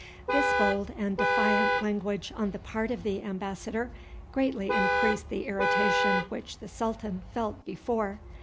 This bold and defiant language on the part of the embassador greatly increased the irritation which the sultan felt before.